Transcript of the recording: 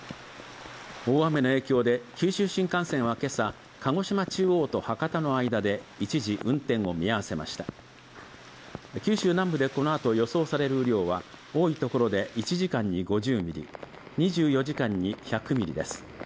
大雨の影響で九州新幹線は今朝鹿児島中央と博多の間で一時運転を見合わせました九州南部でこのあと予想される雨量は多い所で１時間に５０ミリ２４時間に１００ミリです